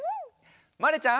まれちゃん。